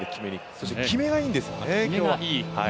そして決めがいいんですね。